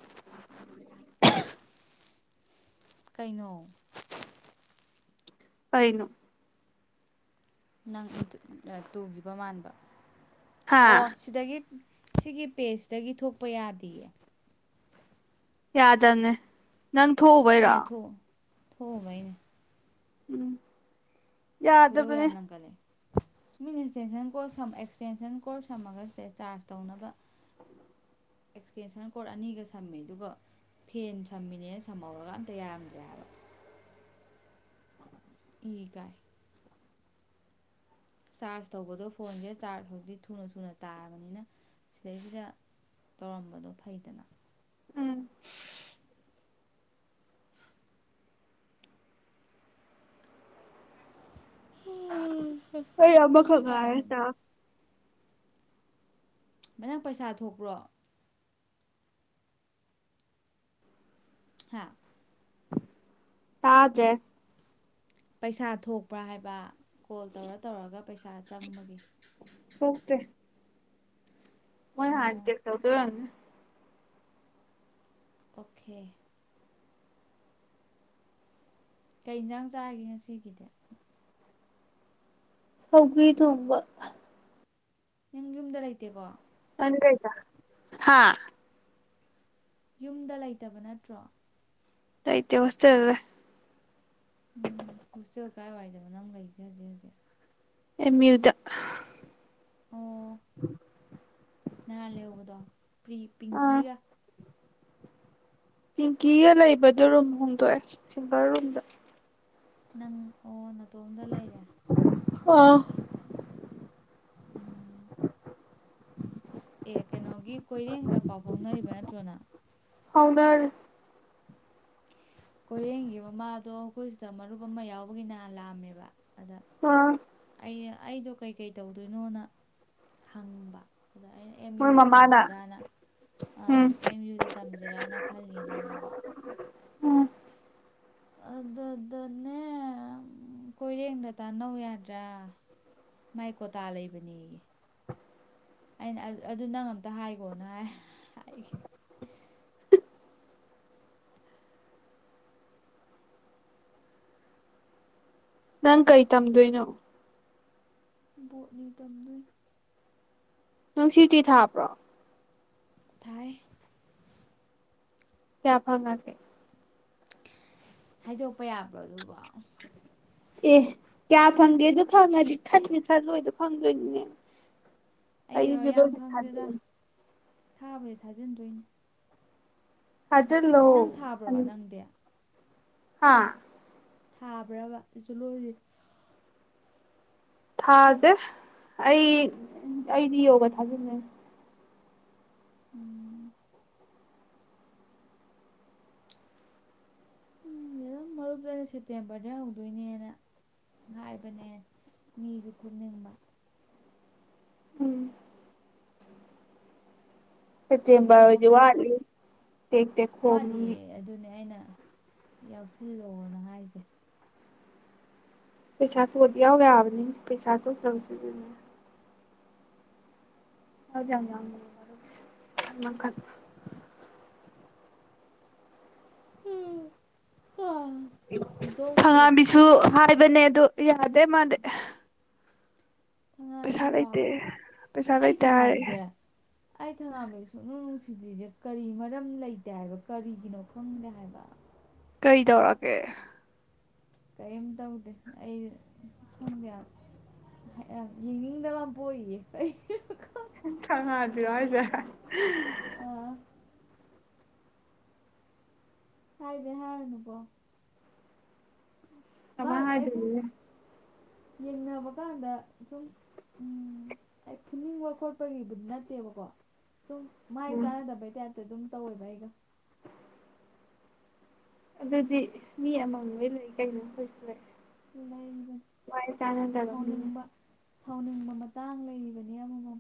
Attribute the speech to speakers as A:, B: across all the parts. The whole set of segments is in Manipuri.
A: [unintelligible]
B: ꯀꯩꯅꯣ
A: ꯑꯩꯅꯨ
B: ꯅꯪ ꯇꯨꯈꯤꯕ ꯃꯥꯟꯕ ꯑꯣ
A: ꯍꯥ
B: ꯁꯤꯗꯒꯤ ꯁꯤꯒꯤ ꯄꯦꯁꯇꯒꯤ ꯊꯣꯛꯄ ꯌꯥꯗꯌꯦ
A: ꯌꯥꯗ ꯑꯃꯅꯦ ꯅꯪ ꯊꯣꯛꯎꯕꯩꯔꯣ
B: ꯊꯕꯏꯅꯦ
A: ꯎꯝ
B: ꯈꯣꯏꯗꯧ
A: ꯌꯥꯗꯕꯅꯦ
B: ꯌꯥꯝ ꯂꯪꯒꯜꯂꯦ ꯃꯤꯅ ꯑꯦꯛꯁꯇꯦꯟꯁꯟ ꯀꯣꯔꯠ ꯑꯦꯛꯁꯇꯦꯟꯁꯟ ꯀꯣꯔꯠ ꯁꯝꯃꯒ ꯁꯤꯗ ꯆꯥꯔꯖ ꯇꯧꯅꯕ ꯑꯦꯛꯁꯇꯦꯟꯁꯟ ꯀꯣꯔꯠ ꯑꯅꯤꯒ ꯁꯝꯃꯦ ꯑꯗꯨꯒ ꯐꯦꯟ ꯁꯝꯃꯤꯅꯦꯅ ꯁꯝꯍꯧꯔꯒ ꯑꯝꯇ ꯌꯥꯔꯝꯗ꯭ꯔꯦ ꯍꯥꯏꯕ ꯏꯀ ꯆꯥꯔꯖ ꯇꯧꯕꯗꯣ ꯐꯣꯟꯁꯦ ꯆꯥꯔꯖ ꯍꯧꯖꯤꯤ ꯊꯨꯅ ꯊꯨꯅ ꯇꯥꯔꯕꯅꯤꯅ ꯁꯤꯗꯩꯁꯤꯗ ꯇꯧꯔꯝꯕꯗꯣ ꯐꯩꯗꯅ
A: ꯎꯝ ꯑꯩꯣꯏꯕ ꯈꯒꯔ ꯇ
B: ꯅ ꯅꯪ ꯄꯩꯁꯥ ꯊꯣꯛꯄ꯭ꯔꯣ ꯍꯥꯥ
A: ꯇꯥꯖꯦ
B: ꯄꯩꯁꯥ ꯊꯣꯛꯄ꯭ꯔꯥ ꯍꯥꯏꯕ ꯀꯣꯜ ꯇꯧꯔ ꯇꯧꯔꯒ ꯄꯩꯁꯥ ꯆꯪꯕꯒꯤꯦ
A: ꯍꯣꯏ ꯍꯥꯟ ꯆ ꯇꯧꯗ
B: ꯑꯣꯈꯦ ꯀꯩ ꯏꯟꯁꯥꯡ ꯆꯥꯒꯦ ꯉꯁꯤꯒꯤꯗꯤ
A: ꯁꯧ꯭ꯔꯤ ꯊꯝꯕ
B: ꯅꯪ ꯌꯨꯝꯗ ꯂꯩꯇꯦꯀꯣ
A: [unintelligible]
B: ꯌꯨꯝꯗ ꯂꯩꯇꯕ ꯅꯠꯇ꯭ꯔꯣ
A: ꯇꯥꯏꯇꯕꯁꯦꯜꯦ
B: ꯎꯝ ꯍꯣꯁꯇꯦꯜ ꯀꯥꯏ ꯋꯥꯏꯗꯕꯅꯪ ꯂꯩꯁꯦ ꯍꯧꯖꯤꯛ ꯍꯧꯖꯤꯛ
A: ꯑꯦꯃꯤ ꯌꯌꯨꯗ
B: ꯑꯣ ꯅ ꯂꯦ ꯎ ꯀꯗ ꯄꯤ
A: ꯑꯥ
B: ꯄꯤꯀꯤꯒ
A: ꯄꯤꯡꯀꯤꯒ ꯂꯩꯕꯗ ꯔꯨꯝ ꯍꯣꯡꯗꯣꯛꯑꯦ ꯁꯤꯡꯚꯔ ꯔꯨꯝꯗ
B: ꯅꯪ ꯑꯣ ꯅꯅꯥꯇꯣꯝꯗ ꯂꯩꯔꯦ
A: ꯑ
B: ꯎꯝ ꯑꯦ ꯀꯩꯅꯣꯒꯤ ꯀꯣꯏꯔꯦꯡꯒ ꯄꯥꯎ ꯐꯥꯎꯅꯔꯤꯕ ꯅꯠꯇ꯭ꯔꯣꯅ
A: ꯍꯧꯅꯔ
B: ꯀꯣꯏꯔꯦꯡꯒꯤ ꯃꯃꯥꯗꯣ ꯑꯩꯈꯣꯏꯁꯤꯗ ꯃꯔꯨꯞ ꯑꯃ ꯌꯥꯎꯕꯒꯤ ꯅꯍ ꯂꯥꯑꯝꯃꯦꯕ ꯑꯗ
A: ꯑꯥ
B: ꯑꯩ ꯑꯩꯗꯣ ꯀꯩꯀꯩ ꯇꯧꯗꯣꯏꯅꯣꯅ ꯍꯪꯕ ꯑꯗ ꯑꯩꯅ ꯑꯦꯝ
A: ꯃꯣꯏ
B: ꯌꯨꯗ
A: ꯃꯃꯥꯅ
B: ꯇꯝꯁꯤꯔꯅ
A: ꯎꯝ
B: ꯑꯪ ꯑꯦꯝ ꯌꯨꯗ ꯇꯝꯁꯤꯔꯅ ꯈꯜꯂꯤꯅ ꯍꯥꯏꯕ
A: ꯎꯝ
B: ꯑꯗꯨꯗꯅꯦ ꯀꯣꯏꯔꯦꯡꯗ ꯇ ꯅꯧ ꯌꯥꯗ꯭ꯔꯥ ꯃꯥꯏꯀꯣꯇꯥ ꯂꯩꯕꯅꯦ ꯑꯩꯅ ꯑꯗꯨ ꯅꯪ ꯑꯝꯇ ꯍꯥꯏꯈꯣꯅ ꯍꯥꯏꯈꯤꯕ
A: ꯅꯪ ꯀꯩ ꯇꯝꯗꯣꯏꯅꯣ
B: ꯕꯣꯠꯅꯤ ꯇꯝꯅꯕ
A: ꯅꯪ ꯁꯇꯤ ꯊꯥꯕ꯭ꯔꯣ
B: ꯊꯥꯏ
A: ꯌꯥ ꯐꯒꯥꯒꯤꯦ
B: ꯍꯥꯏꯗꯣꯛꯄ ꯌꯥꯕ꯭ꯔꯣ ꯑꯗꯨꯕ ꯑꯁ
A: ꯑꯦ ꯀꯌꯥ ꯐꯪꯒꯦꯗꯣ ꯈꯪꯉꯗꯤ ꯈꯟꯅꯤ ꯈꯜꯂꯣꯏꯗꯣ ꯈꯪꯗꯣꯏꯅꯤꯅꯦ ꯑꯥꯏ ꯗꯣ ꯈꯥꯗ
B: ꯊꯥꯕꯁꯩ ꯊꯥꯖꯤꯟꯗꯣꯏꯅꯤ
A: ꯍꯖ
B: ꯅꯪ
A: ꯂꯣ
B: ꯊꯥꯕ꯭ꯔꯣ ꯅꯪꯗꯤ
A: ꯍꯥꯥ
B: ꯊꯥꯕ꯭ꯔꯕ ꯑꯗꯨꯁꯨ ꯂꯣꯏꯁ
A: ꯊꯥꯁꯦ ꯑꯩ ꯑꯩꯗꯤ ꯌꯣꯒ ꯊꯥꯖꯤꯟꯟꯅꯦ
B: ꯎꯝ ꯎꯝ ꯃꯝ ꯃꯔꯨꯞꯇꯅ ꯁꯦꯞꯇꯦꯝꯕꯔꯗ ꯍꯧꯗꯣꯏꯅꯦꯅ ꯍꯥꯏꯕꯅꯦ ꯃꯤꯁꯨ ꯈꯨꯞꯅꯤꯡꯕ
A: ꯎꯝ ꯁꯇꯕꯥꯔ
B: ꯑꯇꯣꯞꯄ ꯃꯔꯨꯞ
A: ꯋꯥꯂꯤ ꯊ ꯍꯣꯕ
B: ꯋꯥꯠꯂꯤꯌꯦ ꯑꯗꯨꯅꯦ ꯑꯩꯅ ꯌꯥꯎꯁꯤꯜꯂꯣꯅ ꯍꯥꯏꯖꯦ
A: ꯄꯩꯁꯥ ꯊꯣꯑꯗꯤ ꯌꯥꯎꯌꯥꯕꯅꯤꯅꯦ ꯄꯩꯁꯥ ꯊꯣꯛꯇꯕꯁꯤꯗꯅꯦ ꯌꯥꯎꯗꯤ ꯌꯥꯝ ꯌꯥꯎꯅꯤꯡꯉꯤ ꯃꯔꯨꯞꯁꯦ ꯃꯈꯟ ꯃꯈꯟ
B: ꯖꯣꯁꯇꯣꯛꯀꯤ
A: ꯊꯥꯉꯥꯝꯕꯤꯁꯨ ꯍꯥꯏꯕꯅꯦ ꯑꯗꯨ ꯌꯥꯗꯦ ꯃꯥꯗꯤ ꯄꯩꯁꯥ
B: ꯊꯪꯒꯥꯥꯟꯕꯤꯔꯣ
A: ꯂꯩꯇꯦ ꯄꯩꯁꯥ
B: ꯑꯩ
A: ꯂꯩꯇꯦ ꯍꯥꯏꯔꯛꯑꯦ
B: ꯊꯪꯒꯥꯥꯟꯕꯤꯁꯦ ꯑꯩ ꯊꯥꯉꯥꯝꯕꯤ ꯁꯨꯛꯅꯨꯡ ꯅꯨꯡꯁꯤꯗꯤꯖꯦ ꯀꯔꯤ ꯃꯔꯝ ꯂꯩꯇꯦ ꯍꯥꯏꯕ ꯀꯔꯤꯒꯤꯅꯣ ꯈꯪꯗꯦ ꯍꯥꯏꯕ
A: ꯀꯔꯤ ꯇꯧꯔꯛꯑꯒꯦ
B: ꯀꯔꯤꯝ ꯇꯧꯗꯦ ꯑꯩ ꯈꯪꯗꯦ ꯍꯥꯏꯄ ꯑꯥ ꯌꯦꯡꯅꯤꯡꯗꯕ ꯑꯝ ꯄꯣꯏꯌꯦ
A: ꯊꯥꯉꯥꯟꯕꯤꯔꯣ ꯍꯥꯏꯖꯦ
B: ꯑꯥ ꯍꯥꯏꯗꯤ ꯍꯥꯏꯔꯨꯅꯨꯀꯣ
A: ꯀꯃꯥꯏ
B: ꯑꯩꯒꯨꯝ
A: ꯍꯥꯏꯗꯣꯏꯅꯣꯍꯦ
B: ꯌꯦꯡꯅꯕ ꯀꯥꯟꯗ ꯁꯨꯝ ꯎꯝ ꯑꯩ ꯐꯨꯅꯤꯡꯕ ꯈꯣꯠꯄꯒꯤꯕꯨꯗꯤ ꯅꯠꯇꯦꯕꯀꯣ ꯁꯨꯝ ꯃꯥꯥꯏ
A: ꯎꯝ
B: ꯆꯥꯟꯅꯗꯕꯩ ꯇꯥꯏꯞ ꯑꯗꯨꯝ ꯇꯧꯋꯦꯕ ꯑꯩꯒ
A: ꯑꯗꯨꯗꯤ ꯃꯤ ꯑꯃꯃꯝ ꯂꯣꯏ ꯂꯩ ꯀꯩꯅꯣ ꯑꯈꯣꯢꯁꯨ ꯂꯩ
B: ꯂꯩꯔꯤꯕꯅꯤ
A: ꯃꯥꯏ ꯆꯥꯟꯅꯗꯕ ꯃꯤ
B: ꯁꯥꯎꯅꯤꯡꯕ ꯁꯥꯎꯅꯤꯡꯕ ꯃꯇꯥꯡ ꯂꯩꯔꯤꯕꯅꯤ ꯑꯃꯃꯝ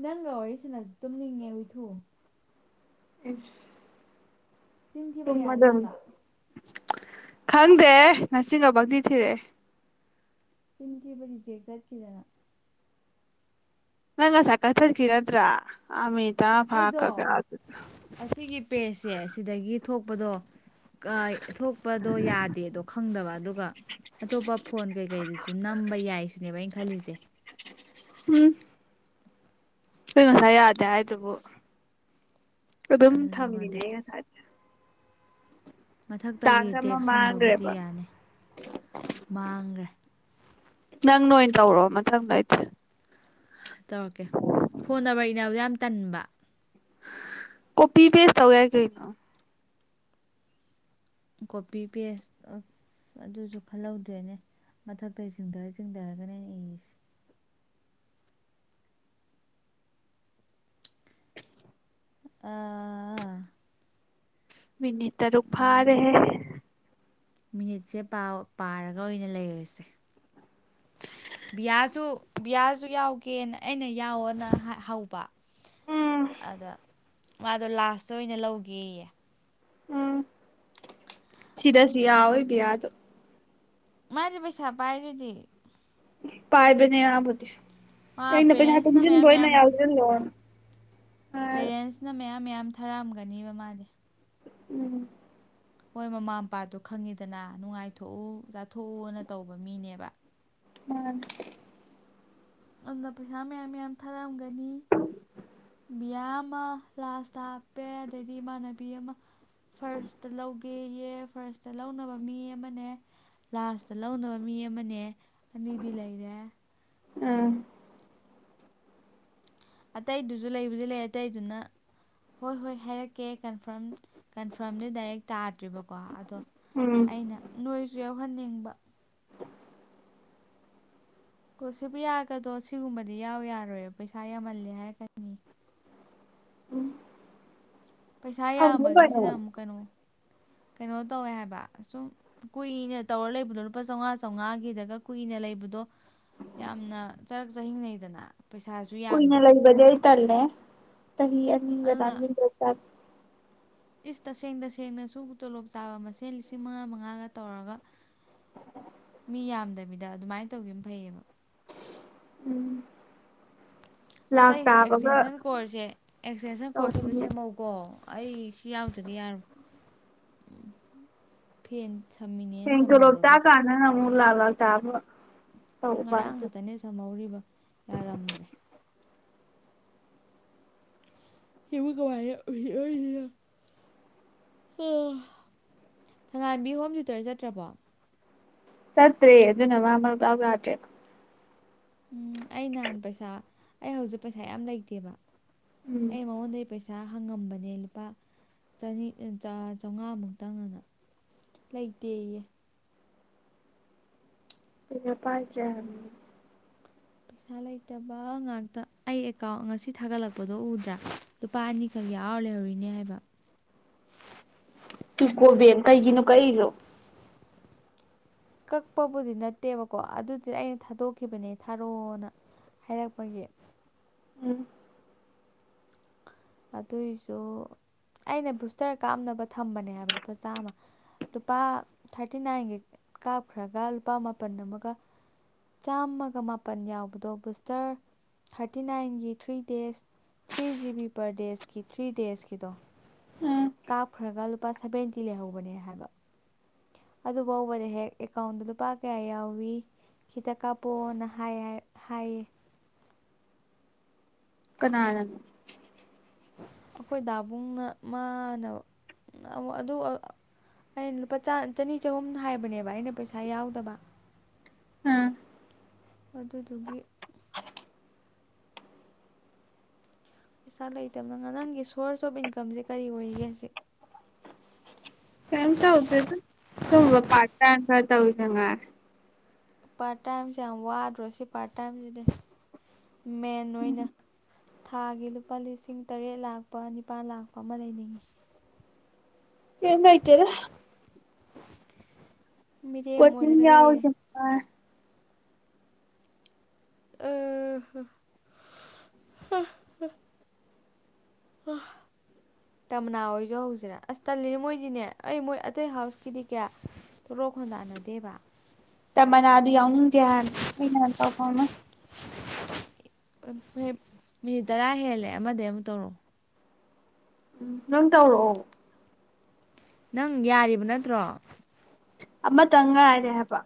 B: ꯅꯪꯒ ꯋꯥꯔꯤ ꯁꯟꯅꯁꯤ ꯇꯨꯝꯅꯤꯡꯉꯦ ꯍꯨꯢꯊꯨ
A: [unintelligible]
B: ꯆꯤꯟꯊꯤꯕ ꯌꯥꯖꯥꯠꯂ
A: ꯈꯪꯗꯦꯍꯦ ꯅꯆꯤꯟꯒ ꯄꯪꯊꯤ ꯊꯤꯔꯛꯑꯦ
B: ꯆꯤꯟ ꯊꯤꯕ ꯔꯤꯖꯦꯛ ꯆꯠꯈꯤꯗꯅ
A: ꯅꯪ ꯉꯁꯥꯏ ꯀꯊꯠꯈꯤ ꯅꯠꯇꯔꯥ ꯑꯥ ꯃꯤꯠ
B: ꯑꯩꯗꯣ ꯑꯁꯤꯒꯤ ꯄꯦꯖꯁꯦ ꯁꯤꯗꯒꯤ ꯊꯣꯛ ꯄꯗꯣ ꯀꯥꯏ ꯊꯣꯛꯄꯗꯣ ꯌꯥꯗꯦꯗꯣ ꯈꯪꯗꯕ ꯑꯗꯨꯒ ꯑꯇꯣꯞꯄ ꯐꯣꯟ ꯀꯩꯀꯩꯗꯖꯨ ꯅꯝꯕ ꯌꯥꯏ ꯁꯤꯅꯦꯕ ꯑꯩꯅ ꯈꯜꯂꯤꯖꯦ
A: ꯎꯝ ꯑꯩ ꯉꯥꯁꯥꯏ ꯌꯥꯗꯦ ꯍꯥꯏꯗꯨꯕꯨ ꯑꯗꯨꯝ ꯊꯝꯃꯤꯅꯦ
B: ꯑꯗꯨꯗꯨꯒꯗꯤ
A: ꯑꯩ ꯉꯁꯥꯏ
B: ꯃꯊꯛꯇꯒꯤ
A: ꯑꯃ
B: ꯇꯦꯛꯁ ꯍꯟꯕꯕꯨꯗꯤ
A: ꯃꯥꯡꯒ꯭ꯔꯦꯕ
B: ꯌꯥꯅꯤ ꯃꯥꯡꯒꯔ꯭ꯦ
A: ꯅꯪꯅ ꯑꯣꯏ ꯇꯧꯔꯣ ꯃꯊꯪꯗꯩꯗꯤ
B: ꯇꯧꯔꯛꯀꯦ ꯐꯣꯟ ꯅꯝꯕꯔ ꯏꯅꯕꯗꯣ ꯌꯥꯝ ꯇꯟꯕ
A: ꯀꯣꯄꯤ ꯄꯦꯁ ꯇꯧ ꯌꯥꯏ ꯀꯩꯅꯣ
B: ꯀꯣꯄꯤ ꯄꯦꯁ ꯑꯁ ꯑꯗꯨꯁꯨ ꯈꯜꯍꯧꯗ꯭ꯔꯦꯅꯦ ꯃꯊꯛꯇꯩ ꯆꯤꯡꯗꯔ ꯆꯤꯡꯗꯔꯒꯅꯦ ꯑꯩꯅ ꯏꯁꯦ ꯑꯥ
A: ꯃꯤꯅꯤꯠ ꯇꯔꯨꯛ ꯐꯥꯔꯦꯍꯦ
B: ꯃꯤꯅꯤꯠꯁꯦ ꯄꯥꯔꯒ ꯑꯣꯏꯅ ꯂꯩꯔꯁꯦ ꯕꯤꯌꯥꯁꯨ ꯕꯤꯌꯥꯁꯨ ꯌꯥꯎꯒꯦꯅ ꯑꯩꯅ ꯌꯥꯎꯑꯣꯅ ꯍꯧꯕ
A: ꯎꯝ
B: ꯑꯗ ꯃꯥꯗꯣ ꯂꯥꯁꯇ ꯑꯣꯏꯅ ꯂꯧꯒꯦꯌꯦ
A: ꯎꯝ ꯁꯤꯤꯗꯥꯁꯤ ꯌꯥ ꯑꯣꯏꯣꯏ ꯄꯌꯥꯗ
B: ꯃꯥꯅꯤ ꯄꯩꯁꯥ ꯄꯥꯏꯗꯨꯗꯤ
A: ꯄꯥꯏꯕꯅꯦ ꯑꯕꯗꯤ
B: ꯃꯥ
A: ꯑꯩꯅ ꯄꯩꯁꯥ
B: ꯄꯦꯔꯦꯟꯁꯅ ꯃꯌꯥꯝ
A: ꯄꯨꯟꯁꯤꯟꯕꯩꯅ
B: ꯃꯌꯥꯝ
A: ꯌꯥꯎꯁꯤ ꯂꯣꯟ
B: ꯄꯦꯔꯦꯟꯁꯅ ꯃꯌꯥꯝ ꯃꯌꯥꯝ ꯊꯥꯔꯛꯑꯝꯒꯅꯦꯕ ꯃꯥꯅꯦ
A: ꯎꯝ
B: ꯍꯣꯏ ꯃꯃꯥ ꯃꯄꯥꯗꯣ ꯈꯪꯉꯤꯗꯅ ꯅꯨꯡꯉꯥꯏꯊꯣꯛꯎ ꯆꯥꯊꯣꯛꯎꯅ ꯇꯧꯕ ꯃꯤꯅꯦꯕ
A: ꯑꯝ
B: ꯑꯗꯨꯗ ꯄꯩꯁꯥ ꯃꯌꯥꯝ ꯌꯥꯝ ꯊꯥꯔꯂꯝꯒꯅꯤ ꯃꯤꯌꯥꯝ ꯑꯃ ꯂꯥꯁꯇ ꯍꯥꯞꯄꯦ ꯑꯗꯩꯗꯤ ꯏꯃꯥꯟꯅꯕꯤ ꯑꯃ ꯐꯥꯔꯁꯇ ꯂꯧꯒꯦꯌꯦ ꯐꯥꯔꯁꯇ ꯂꯧꯅꯕ ꯃꯤ ꯑꯃꯅꯦ ꯂꯥꯁꯇ ꯂꯧꯅꯕ ꯃꯤ ꯑꯃꯅꯦ ꯑꯅꯤꯗꯤ ꯂꯩꯔꯦ
A: ꯑꯝ
B: ꯑꯇꯩꯗꯨꯁꯨ ꯂꯩꯕꯨꯗꯤ ꯂꯩ ꯑꯇꯩꯗꯨꯅ ꯍꯣꯏ ꯍꯣꯏ ꯍꯥꯏꯔꯛꯀꯦ ꯀꯟꯐꯥꯔꯝ ꯀꯟꯐꯥꯔꯝꯗꯤ ꯗꯥꯏꯔꯦꯛ ꯇꯥꯗ꯭ꯔꯤꯕꯀꯣ ꯑꯗꯣ
A: ꯎꯝ
B: ꯑꯩꯅ ꯅꯣꯏꯁꯨ ꯊꯣꯛꯣꯛꯍꯟꯅꯤꯡꯕ ꯀꯣꯁꯤꯞ ꯌꯥꯒꯗꯣ ꯁꯤꯒꯨꯝꯕꯗꯤ ꯌꯥꯎ ꯌꯥꯔꯣꯏꯕ ꯄꯩꯁꯥ ꯌꯥꯝꯃꯜꯂꯦ ꯍꯥꯏꯔꯀꯅꯤ
A: ꯎꯝ
B: ꯄꯩꯁꯥ ꯌꯥꯝꯕꯒꯤꯁꯤꯅ ꯑꯃꯨꯛ ꯀꯩꯅꯣ ꯀꯩꯅꯣ ꯇꯧꯋꯦ ꯍꯥꯏꯕ ꯁꯨꯝ ꯀꯨꯏꯅ ꯇꯧꯔ ꯂꯩꯕꯗꯣ ꯂꯨꯄꯥ ꯆꯥꯝꯃꯉꯥ ꯆꯥꯝꯃꯉꯥꯒꯤꯗꯒ ꯀꯨꯏꯅ ꯂꯩꯕꯗꯣ ꯌꯥꯝꯅ ꯆꯔꯛ ꯆꯥꯍꯤꯡꯅꯩꯗꯅ ꯄꯩꯁꯥꯁꯨ ꯌꯥꯝꯗꯦ
A: ꯂꯦ ꯀ
B: ꯑꯗꯨꯅ
A: ꯑ
B: ꯏꯁ ꯇꯁꯦꯡ ꯇꯁꯦꯡꯅꯁꯨ ꯇꯣꯂꯣꯞ ꯆꯥꯕ ꯃꯁꯦꯟ ꯂꯤꯁꯤꯡ ꯃꯉꯥ ꯃꯉꯥꯒ ꯇꯧꯔꯒ ꯃꯤ ꯌꯥꯝꯗꯕꯤꯗ ꯑꯗꯨꯃꯥꯏꯅ ꯇꯧꯈꯤꯕ ꯑꯃ ꯐꯩꯌꯦꯕ
A: ꯎꯝ
B: ꯑꯁ ꯑꯩꯁꯦ ꯑꯦꯛꯁꯇꯦꯟꯁꯟ ꯀꯣꯔꯁꯁꯦ ꯑꯦꯛꯁꯇꯦꯟꯁꯟ ꯀꯣꯔꯁꯁꯤꯕꯨ
A: ꯇꯧꯕꯅꯦ
B: ꯁꯦꯝꯃꯧꯀꯣ ꯑꯩ ꯁꯤ ꯌꯥꯎꯗ꯭ꯔꯗꯤ ꯌꯥꯔꯣꯏ ꯎ ꯐꯦꯟ
A: ꯍ
B: ꯁꯝꯃꯤꯅꯦꯅ
A: ꯀ ꯔꯣꯕ ꯇ
B: ꯁꯝꯍꯧꯔꯒ
A: ꯀꯥꯟꯅ ꯂ ꯂꯥꯛ ꯇꯥꯕ ꯇꯧꯕ
B: ꯉꯔꯥꯡ
A: ꯑꯗꯨ
B: ꯈꯛꯇꯅꯦ ꯁꯝꯍꯧꯔꯤꯕ ꯌꯥꯔꯝꯗ꯭ꯔꯦ ꯍꯕꯨ ꯀ ꯊꯪꯉꯥꯏꯝꯕꯤ ꯍꯣꯝ ꯊꯌꯨꯇꯔ ꯆꯠꯇ꯭ꯔꯕꯣ
A: ꯁꯠꯇꯦ ꯑꯗꯨꯅ ꯃꯥꯃ ꯄꯕꯇꯦ
B: ꯎꯝ ꯑꯩ ꯅꯍꯥꯟ ꯄꯩꯁꯥ ꯑꯩ ꯍꯧꯖꯤꯛ ꯄꯩꯁꯥ ꯌꯥꯝ ꯂꯩꯇꯦꯕ
A: ꯎꯝ
B: ꯑꯦ ꯃꯕꯨꯗꯔꯦ ꯄꯁ ꯄꯩꯁꯥ ꯍꯪꯉꯝꯕꯅꯦ ꯂꯨꯄꯥ ꯆꯅꯤ ꯆꯥꯝꯃꯉꯥꯃꯨꯛꯇꯪꯅꯅ ꯂꯩꯇꯦꯌꯦ
A: ꯄ ꯄꯖ
B: ꯄꯩꯁꯥ ꯂꯩꯇꯕ ꯉꯥꯛꯇ ꯑꯩ ꯑꯦꯀꯥꯎꯟ ꯉꯁꯤ ꯊꯥꯒꯠꯂꯛꯄꯗꯣ ꯎꯗ꯭ꯔꯥ ꯂꯨꯄꯥ ꯑꯅꯤꯈꯛ ꯌꯥꯎꯔ ꯂꯩꯍꯧꯔꯤꯅꯦ ꯍꯥꯏꯕ꯫
A: [unintelligible] ꯀꯩꯒꯤꯅꯣ ꯀꯛꯏꯗꯣ꯫
B: ꯀꯛꯄꯕꯨꯗꯤ ꯅꯠꯇꯦꯕꯀꯣ ꯑꯗꯨꯗꯤ ꯑꯩꯅ ꯊꯥꯗꯣꯛꯈꯤꯕꯅꯦ ꯊꯥꯔꯣꯅ ꯍꯥꯏꯔꯛꯄꯒꯤ꯫
A: ꯎꯝ꯫
B: ꯑꯗꯨꯏꯁꯨ ꯑꯩꯅ ꯕꯨꯁꯇꯔ ꯀꯥꯞꯅꯕ ꯊꯝꯕꯅꯦ ꯍꯥꯏꯕ ꯂꯨꯄꯥ ꯆꯥꯝꯃ ꯂꯨꯄꯥ ꯊꯥꯔꯇꯤ ꯅꯥꯏꯟꯒꯤ ꯀꯥꯞꯈ꯭ꯔꯒ ꯂꯨꯄꯥ ꯃꯥꯄꯟ ꯑꯃꯒ ꯆꯥꯝꯃꯒ ꯃꯥꯄꯟ ꯌꯥꯎꯕꯗꯣ ꯕꯨꯁꯇꯔ ꯊꯥꯔꯇꯤ ꯅꯥꯏꯟꯒꯤ three days three G B. ꯄꯔꯗꯦꯁꯀꯤ ꯊ꯭ꯔꯤ ꯗꯦꯁꯀꯤꯗꯣ꯫
A: ꯎꯝ
B: ꯀꯥꯞꯈ꯭ꯔꯒ ꯂꯨꯄꯥ ꯁꯚꯦꯟꯇ ꯇꯤ ꯂꯩꯍꯧꯕꯅꯦ ꯍꯥꯏꯕ꯫ ꯑꯗꯨ ꯕꯥꯎꯕꯗ ꯍꯦꯛ ꯑꯦꯀꯥꯎꯟꯗ ꯂꯨꯄꯥ ꯀꯌꯥ ꯌꯥꯎꯏꯤ ꯈꯤꯇ ꯀꯥꯞꯄꯑꯣꯅ ꯍꯥꯏꯌꯦ꯫
A: ꯀꯅꯥꯅꯅꯣ꯫
B: ꯑꯩꯈꯣꯏ ꯗꯥꯥꯕꯨꯡꯅ ꯃꯥꯅ ꯑꯗꯨ ꯑꯩꯅ ꯂꯨꯄꯥ ꯆꯅꯤ ꯆꯍꯨꯝ ꯍꯥꯏꯕꯅꯦꯕ ꯑꯩꯅ ꯄꯩꯁꯥ ꯌꯥꯎꯗꯕ꯫
A: ꯑꯝ꯫
B: ꯑꯗꯨꯗꯨꯒꯤ꯫ ꯄꯩꯁꯥ ꯂꯩꯇꯕꯅ ꯉꯪꯒꯤ ꯁꯣꯔꯁ ꯑꯣꯐ ꯏꯟꯀꯝꯁꯦ ꯀꯔꯤ ꯑꯣꯏꯔꯤꯒꯦ ꯍꯧꯖꯤꯛ꯫
A: ꯀꯦꯝ ꯇꯧꯗꯦꯗ ꯁꯨꯝꯕ ꯄꯥꯔ꯭ꯇ ꯇꯥꯏꯝ ꯈꯔ ꯇꯧꯔꯤꯁꯤꯉꯥꯏ꯫
B: ꯄꯥꯔꯠ ꯇꯥꯏꯝꯁꯦ ꯌꯥꯝ ꯋꯥꯗ꯭ꯔꯣ ꯁꯤ ꯄꯥꯔꯠ ꯇꯥꯏꯝꯁꯤꯗꯤ ꯃꯦꯟ ꯑꯣꯏꯅ ꯊꯥꯒꯤ ꯂꯨꯄꯥ ꯂꯤꯁꯤꯡ ꯇꯔꯦꯠ ꯂꯥꯛꯄ ꯅꯤꯄꯥꯜ ꯂꯥꯛꯄ ꯑꯃ ꯂꯩꯅꯤꯡꯉꯤ꯫
A: ꯀꯦꯝ ꯂꯩꯇꯦꯗ꯫
B: ꯃꯤꯔꯦꯝ
A: ꯀꯣꯆꯤꯡ
B: ꯑꯣꯏꯔꯒ
A: ꯌꯥꯎ
B: ꯂꯩꯔꯦ
A: [unintelligible]
B: ꯑ ꯍ ꯍ ꯍ꯫ ꯇꯥꯝꯅꯥ ꯍꯣꯏꯁꯨ ꯍꯧꯁꯤꯔꯥ ꯑꯁ ꯇꯜꯂꯤꯅꯦ ꯃꯣꯏꯗꯤꯅꯦ ꯑꯩ ꯃꯣꯏ ꯑꯇꯩ ꯍꯥꯎꯁꯀꯤꯗꯤ ꯀꯌꯥ ꯊꯣꯔꯛ ꯈꯣꯟꯗꯥꯅꯗꯦꯕ꯫
A: ꯇꯥꯃꯅꯥꯗꯨ ꯌꯥꯎꯅꯤꯡꯗꯦ ꯍꯥꯏ ꯑꯩ ꯅꯍꯥꯟ ꯄꯥꯎ ꯐꯥꯎꯅꯩ꯫
B: ꯃꯤꯅꯤꯠ ꯇꯔꯥ ꯍꯦꯜꯂꯦ ꯑꯃꯗꯩ ꯑꯃꯨꯛ ꯇꯧꯔꯛꯑꯣ꯫
A: ꯎꯝ ꯅꯪ ꯇꯧꯔꯛꯑꯣ꯫
B: ꯅꯪ ꯌꯥꯔꯤꯕ ꯅꯠꯇ꯭ꯔꯣ꯫
A: ꯑꯃ ꯇꯪ ꯉꯥꯏꯔꯦ ꯍꯥꯏꯕ꯫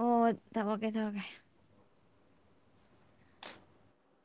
B: ꯑꯣ ꯊꯝꯃꯀꯦ ꯇꯧꯔꯛꯀꯦ